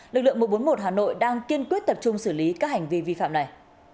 lực lượng một trăm bốn mươi một hà nội đang kiên quyết tập trung xử lý các hành vi vi phạm này